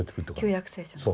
「旧約聖書」の。